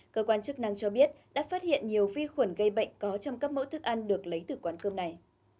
cơ quan chức năng cho biết đã phát hiện nhiều vi khuẩn gây bệnh có trong các mẫu thức ăn được lấy từ quán cơm này